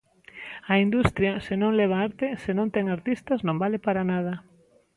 A industria, se non leva arte, se non ten artistas, non vale para nada.